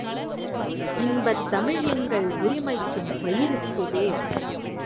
இன்பத்தமிழ் எங்கள் உரிமைச்செம் பயிருக்கு வேர்!